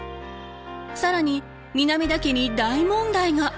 更に南田家に大問題が！